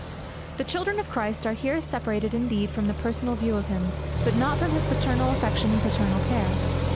The children of Christ are here separated indeed from the personal view of him; but not from his paternal affection and paternal care.